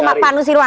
mbak panu sirwan